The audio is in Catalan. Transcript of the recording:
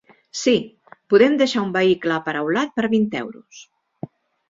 Sí, podem deixar un vehicle aparaulat per vint euros.